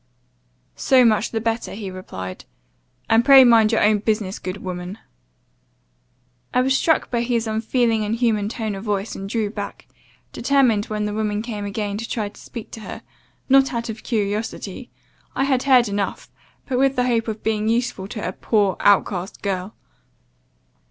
"'So much the better,' he replied,' and pray mind your own business, good woman.' "I was struck by his unfeeling, inhuman tone of voice, and drew back, determined when the woman came again, to try to speak to her, not out of curiosity, I had heard enough, but with the hope of being useful to a poor, outcast girl.